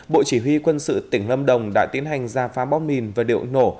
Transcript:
bộ chỉ huy quân sự tỉnh lâm đồng đã tiến hành ra phá bom mìn và điệu nổ